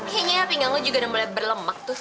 kayaknya pinggang lo juga udah mulai berlemak tuh